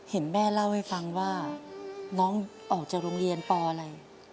เห็นแม่เล่าให้ฟังว่าน้องออกจากโรงเรียนปอะไร